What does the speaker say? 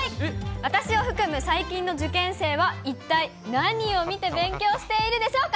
私を含む最近の受験生は一体、何を見て勉強しているでしょうか。